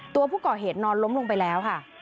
ตัวผู้ก่อเหตุนอนล้มลงไปแล้วค่ะ